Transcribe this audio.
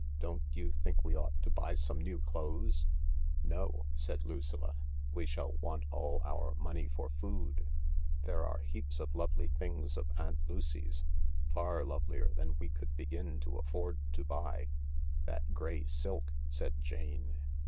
Don't you think we ought to buy some new clothes ?" "No," said Lucilla, "we shall want all our money for food. There are heaps of lovely things of Aunt Lucy's — fa^j lovelier than we could begin to afford to buy." "That grey silk," said Jane.